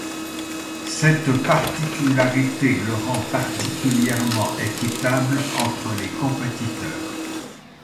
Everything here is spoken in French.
Cette particularité le rend particulièrement équitable entre les compétiteurs.